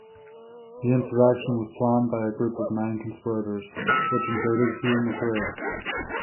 The insurrection was planned by a group of nine conspirators which included Hugh MacRae.